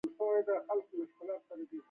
د ملګرو ملتونو په میثاق کې محدودیتونه وضع شوي.